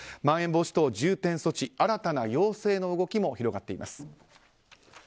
まん延防止等重点措置新たな要請の動きも広がっています。